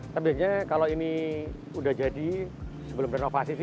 tapi biasanya kalau ini udah jadi sebelum renovasi sih